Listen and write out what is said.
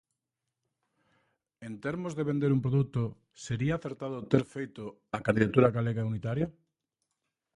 En termos de vender un produto, sería acertado ter feito a candidatura galega unitaria?